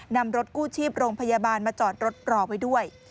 นำรถกู้ชีพโรงพยาบาลมาจอดรถรอไว้ด้วย